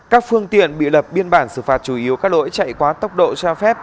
các phương tiện bị lập biên bản xử phạt chủ yếu các lỗi chạy quá tốc độ cho phép